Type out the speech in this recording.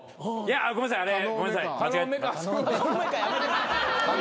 ごめんなさいあれごめんなさい。